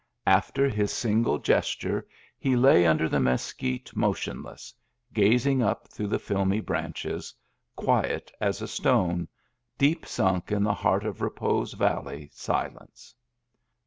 After his single gesture he lay under the mes quite motionless, gazing up through the filmy branches, quiet as a stone, deep sunk in the heart of Repose Valley silence.